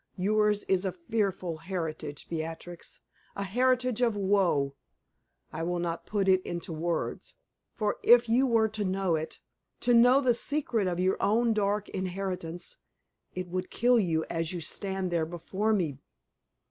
Yours is a fearful heritage, Beatrix an heritage of woe. I will not put it into words, for if you were to know it to know the secret of your own dark inheritance it would kill you as you stand there before me.